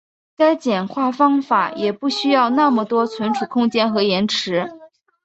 该简化方法也不需要那么多存储空间和延迟。